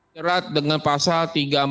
jerat dengan pasal tiga ratus empat puluh